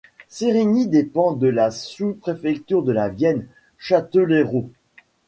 Sérigny dépend de la sous-préfecture de la Vienne, Châtellerault.